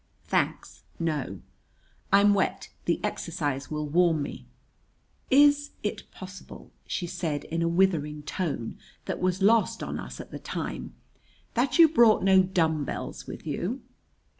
"Thanks, no." "I'm wet. The exercise will warm me." "Is it possible," she said in a withering tone that was lost on us at the time, "that you brought no dumb bells with you?"